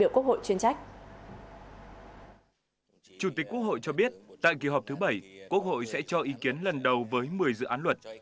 chủ tịch quốc hội cho biết tại kỳ họp thứ bảy quốc hội sẽ cho ý kiến lần đầu với một mươi dự án luật